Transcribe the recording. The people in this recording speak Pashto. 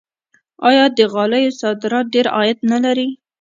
آیا د غالیو صادرات ډیر عاید نلري؟